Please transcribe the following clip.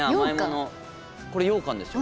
これようかんですよね。